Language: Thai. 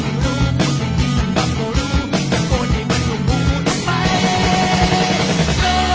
เวลาที่มันได้รู้จักกันแล้วเวลาที่ไม่รู้จักกัน